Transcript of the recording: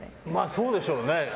そうなんでしょうね。